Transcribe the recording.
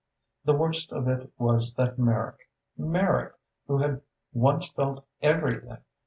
The worst of it was that Merrick Merrick, who had once felt everything!